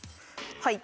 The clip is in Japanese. はい。